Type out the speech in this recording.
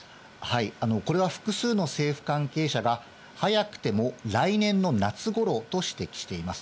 これは複数の政府関係者が早くても来年の夏ごろと指摘しています。